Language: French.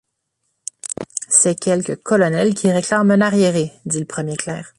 C’est quelque colonel qui réclame un arriéré, dit le premier clerc.